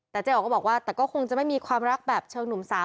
แต่เจ๊อ๋อก็บอกว่าแต่ก็คงจะไม่มีความรักแบบเชิงหนุ่มสาว